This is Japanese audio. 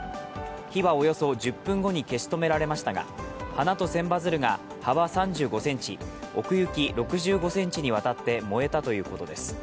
火はおよそ１０分後に消し止められましたが花と千羽鶴が幅３５ｃｍ、奥行き６５ｃｍにわたって燃えたということです。